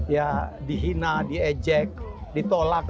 ya dihina diejek ditolak